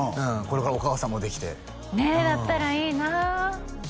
これからお母さんもできてねえだったらいいな